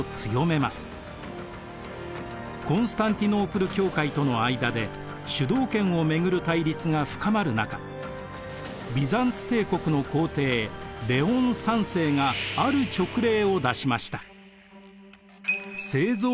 コンスタンティノープル教会との間で主導権を巡る対立が深まる中ビザンツ帝国の皇帝レオン３世がある勅令を出しました。